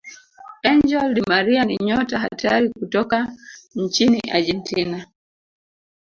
angel Di Maria ni nyota hatari kutoka nchini argentina